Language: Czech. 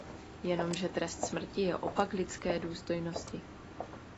Jenomže trest smrti je opak lidské důstojnosti.